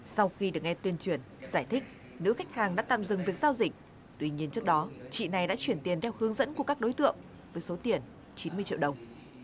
sau khi được nghe tuyên truyền giải thích nữ khách hàng đã tạm dừng việc giao dịch tuy nhiên trước đó chị này đã chuyển tiền theo hướng dẫn của các đối tượng với số tiền chín mươi triệu đồng